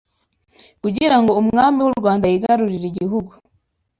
Kugirango Umwami w’u Rwanda yigarurire igihugu